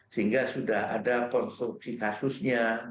sehingga sudah ada konstruksi kasusnya